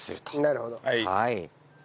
なるほど。